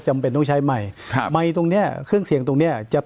จำเป็นต้องใช้ไมค์ครับไมค์ตรงเนี้ยเครื่องเสี่ยงตรงเนี้ยจะ